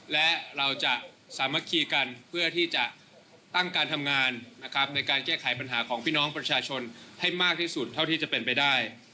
และเราจะสามัคคีกันเพื่อที่จะตั้งการทำงานนะครับในการแก้ไขปัญหาของพี่น้องประชาชนให้มากที่สุดเท่าที่จะเป็นไปได้